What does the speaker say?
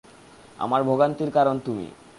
আমার ভোগান্তির কারণ তুমি।